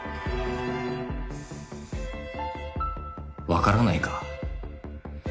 わからないか。